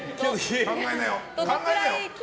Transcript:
考えなよ。